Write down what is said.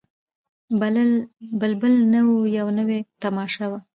بلبل نه وو یوه نوې تماشه وه